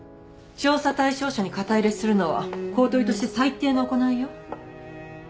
調査対象者に肩入れするのは公取として最低の行いよ。